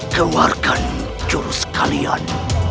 keluarkan jurus kalian